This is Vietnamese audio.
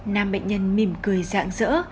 nam bệnh nhân mỉm cười dạng dỡ